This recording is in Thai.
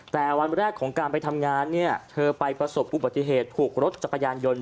แต่วันแรกของการไปทำงานเนี่ยเธอไปประสบอุบัติเหตุถูกรถจักรยานยนต์